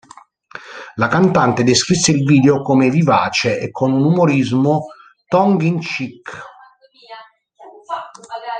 La cantante descrisse il video come vivace e con un umorismo tongue-in-cheek.